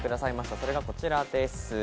それがこちらです。